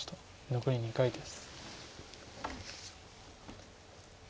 残り２回です。